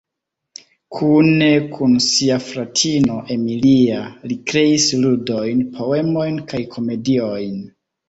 Kune kun sia fratino, Emilia, li kreis ludojn, poemojn kaj komediojn.